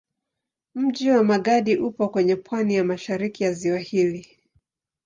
Mji wa Magadi upo kwenye pwani ya mashariki ya ziwa hili.